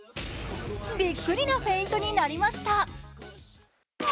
びっくりなフェイントになりました。